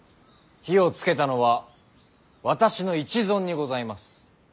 火をつけたのは私の一存にございます。